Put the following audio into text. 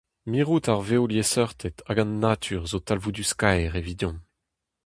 Mirout ar vevliesseurted hag an natur zo talvoudus-kaer evidomp.